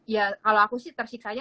ya kalau aku sih tersiksa nya